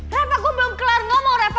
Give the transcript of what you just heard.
reva gue belum kelar ngomong reva